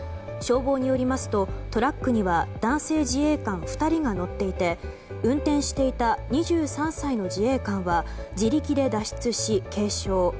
消防によりますとトラックには男性自衛官２人が乗っていて運転していた２３歳の自衛官は自力で脱出し軽傷。